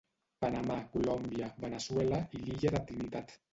Panamà, Colòmbia, Veneçuela i l'Illa de Trinitat.